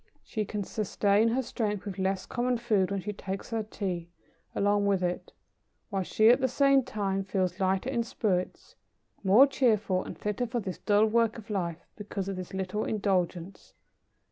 She can sustain her strength with less common food when she takes her Tea along with it: while she, at the same time, feels lighter in spirits, more cheerful, and fitter for this dull work of life, because of this little indulgence."